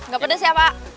gak pedes ya pak